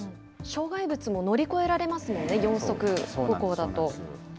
障害物も乗り越えられますもんね、４足歩行だと。